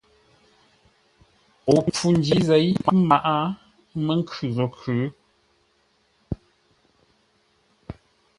O pfû ndǐ zěi ə́ mǎʼ, ə́ mə́ nkhʉ̂ zô khʉ̌.